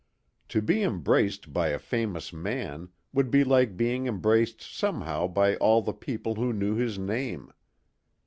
To be embraced by a famous man would be like being embraced somehow by all the people who knew his name.